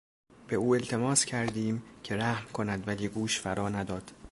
به او التماس کردیم که رحم کند ولی گوش فرا نداد.